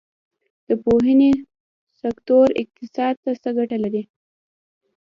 د پوهنې سکتور اقتصاد ته څه ګټه لري؟